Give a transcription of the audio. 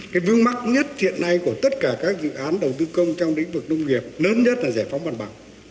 cái vương mắc nhất hiện nay của tất cả các dự án đầu tư công trong lĩnh vực nông nghiệp lớn nhất là giải phóng mặt bằng